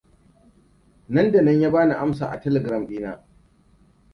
Nan da nan ya bani amsa a telegram ɗina.